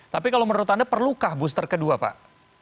tapi kalau menurut anda perlukah booster kedua pak